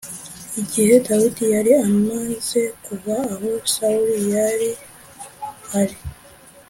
Igihe dawidi yari amaze kuva aho sawuli yari ari